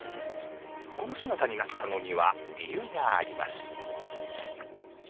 この姿になったのには理由があります。